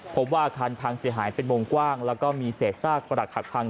พบว่าอาคารพังเสียหายเป็นวงกว้างแล้วก็มีเศษซากประหลักหักพัง